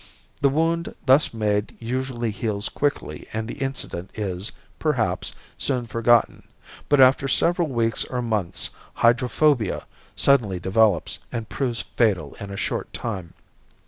The wound thus made usually heals quickly and the incident is, perhaps, soon forgotten; but after several weeks or months hydrophobia suddenly develops and proves fatal in a short time.